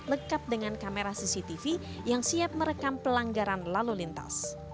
lekat dengan kamera cctv yang siap merekam pelanggaran lalu lintas